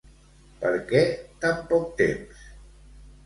Per què tan poc temps?